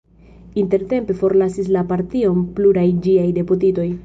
Intertempe forlasis la partion pluraj ĝiaj deputitoj.